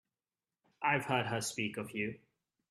I've heard her speak of you.